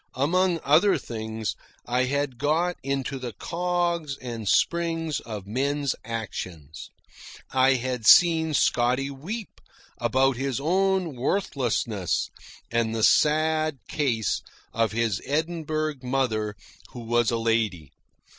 Among other things, I had got into the cogs and springs of men's actions. I had seen Scotty weep about his own worthlessness and the sad case of his Edinburgh mother who was a lady.